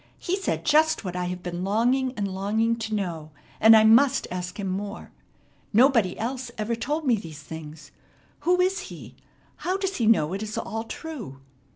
He said just what I have been longing and longing to know, and I must ask him more. Nobody else ever told me these things. Who is he? How does he know it is all true?"